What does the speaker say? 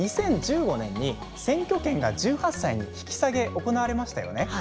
２０１５年に選挙権が１８歳に引き下げ行われましたよね。